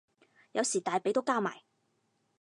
有時大髀都交埋